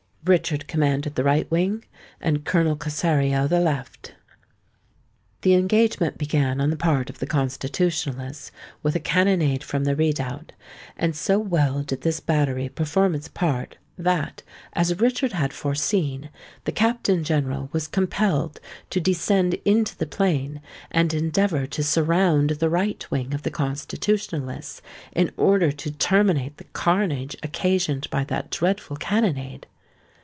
Richard commanded the right wing; and Colonel Cossario the left. The engagement began on the part of the Constitutionalists, with a cannonade from the redoubt; and so well did this battery perform its part, that—as Richard had foreseen—the Captain General was compelled to descend into the plain, and endeavour to surround the right wing of the Constitutionalists, in order to terminate the carnage occasioned by that dreadful cannonade.